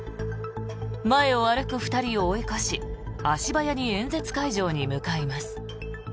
前を歩く２人を追い越し足早に演説会場に向かいます。